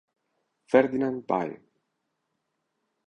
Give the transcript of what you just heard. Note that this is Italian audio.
Ferdinand Bie